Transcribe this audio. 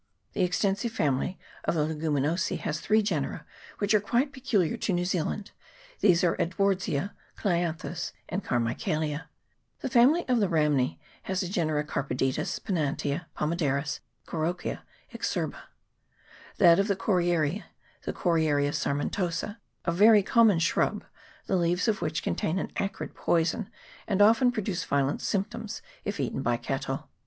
The extensive family of the Leguminosa has three genera 430 THE BOTANY OF [PART II. which are quite peculiar to New Zealand; these are Ed wardsia, Clianthus, and Carmichaelia. The family of the Rhamnece has the genera Cardopetus, Pennantia, Pomaderris, Corokia, Ixerba. That of the Coriariea the Coriaria sarmentosa, a very common shrub, the leaves of which contain an acrid poison, and often produce violent symptoms if eaten by cattle.